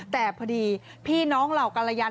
แต่พอดีพี่น้องเหล่ากรยัน